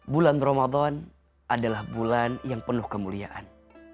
bulan ramadan adalah bulan yang penuh kemuliaan